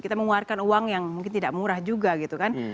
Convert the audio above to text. kita mengeluarkan uang yang mungkin tidak murah juga gitu kan